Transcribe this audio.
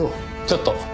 ちょっと。